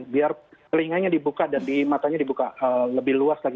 biar telinganya dibuka dan di matanya dibuka lebih luas lagi